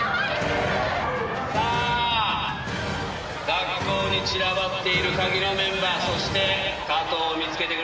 学校に散らばっているカギのメンバーそして加藤を見つけてくれたまえ。